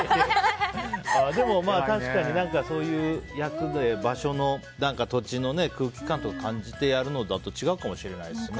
でも、まあ確かにそういう役で場所の、その土地の空気感とかを感じてやるのだと違うかもしれないですね。